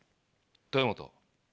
豊本。